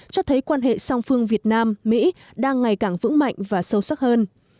cho thấy quan hệ song phương việt nam mỹ đang ngày càng vững mạnh và sâu sắc hơn